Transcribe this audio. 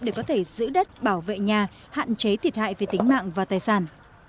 để có thể giữ đất bảo vệ nhà hạn chế thiệt hại về tính mạng và tài sản